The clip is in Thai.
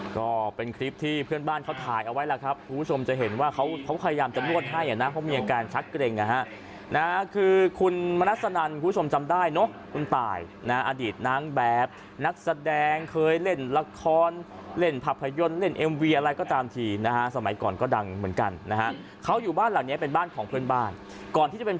ก็เป็นคลิปที่เพื่อนบ้านเขาถ่ายเอาไว้ล่ะครับคุณผู้ชมจะเห็นว่าเขาพยายามจะนวดให้อ่ะนะเพราะมีอาการชักเกร็งนะฮะคือคุณมณัสนันคุณผู้ชมจำได้เนอะคุณตายนะอดีตนางแบบนักแสดงเคยเล่นละครเล่นภาพยนตร์เล่นเอ็มวีอะไรก็ตามทีนะฮะสมัยก่อนก็ดังเหมือนกันนะฮะเขาอยู่บ้านหลังนี้เป็นบ้านของเพื่อนบ้านก่อนที่จะเป็น